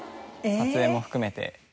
撮影も含めて。